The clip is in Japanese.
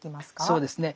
そうですね